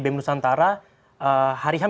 bem nusantara hari ham